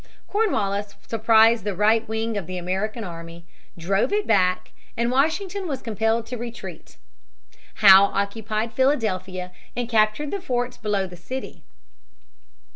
Cornwallis surprised the right wing of the American army, drove it back, and Washington was compelled to retreat. Howe occupied Philadelphia and captured the forts below the city.